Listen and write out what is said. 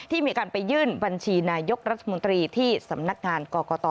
มีการไปยื่นบัญชีนายกรัฐมนตรีที่สำนักงานกรกต